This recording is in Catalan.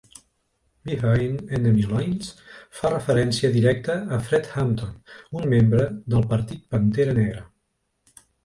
"Behind Enemy Lines" fa referència directa a Fred Hampton, un membre del Partit Pantera Negra.